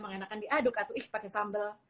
emang enakan diaduk atau ih pakai sambel